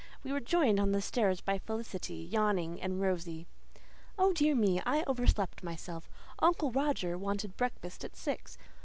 We were joined on the stairs by Felicity, yawning and rosy. "Oh, dear me, I overslept myself. Uncle Roger wanted breakfast at six.